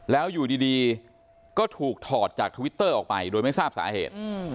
แล้วอยู่ดีก็ถูกถอดจากทวิตเตอร์ออกไปโดยไม่ทราบสาเหตุ